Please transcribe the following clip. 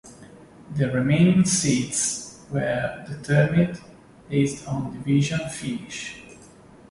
The remaining seeds were determined based on division finish.